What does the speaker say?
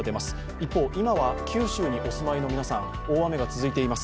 一方、今は九州にお住まいの皆さん大雨が続いています。